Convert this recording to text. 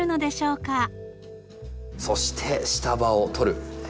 そして下葉を取る。